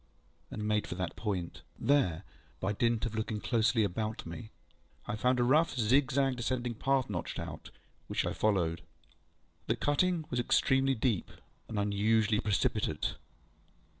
ŌĆØ and made for that point. There, by dint of looking closely about me, I found a rough zigzag descending path notched out, which I followed. The cutting was extremely deep, and unusually precipitate.